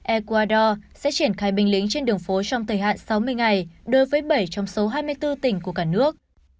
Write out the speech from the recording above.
ecuador sẽ triển khai binh lính trên đường phố trong thời hạn sáu mươi ngày đối với bảy trong số hai mươi bốn tỉnh của cả nước